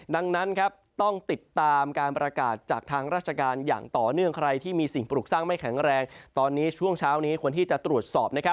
ดังนั้นต้องติดตามการประกาศจากทางราชการอย่างต่อเนื่องใครที่มีสิ่งปลูกสร้างไม่แข็งแรงตอนนี้ช่วงเช้านี้ควรที่จะตรวจสอบ